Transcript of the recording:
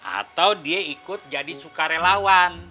atau dia ikut jadi sukarelawan